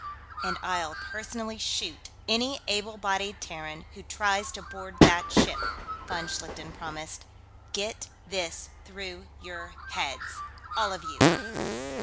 "And I'll personally shoot any able bodied Terran who tries to board that ship," von Schlichten promised. "Get this through your heads, all of you.